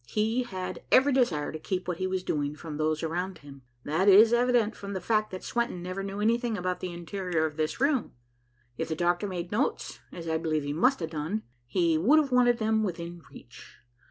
He had every desire to keep what he was doing from those around him. That is evident from the fact that Swenton never knew anything about the interior of this room. If the doctor made notes, as I believe he must have done, he would have wanted them within reach.